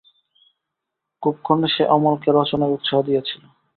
কুক্ষণে সে অমলকে রচনায় উৎসাহ দিয়াছিল।